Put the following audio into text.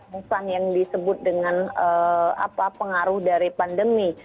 ini adalah hal yang disebut dengan pengaruh dari pandemi